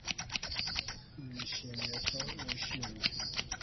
Nishimiye ko wishimye